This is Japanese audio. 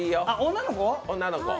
女の子？